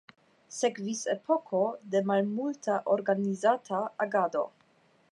Sekvis epoko de malmulta organizata agado.